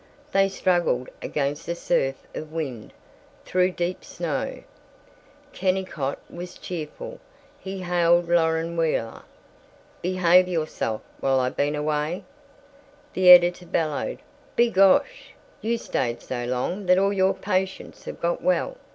They struggled against the surf of wind, through deep snow. Kennicott was cheerful. He hailed Loren Wheeler, "Behave yourself while I been away?" The editor bellowed, "B' gosh you stayed so long that all your patients have got well!"